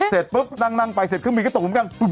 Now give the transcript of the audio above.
เสร็จปุ๊บนั่งไปเสร็จขึ้นไปก็ตกมากัน